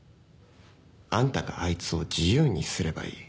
あんたがあいつを自由にすればいい。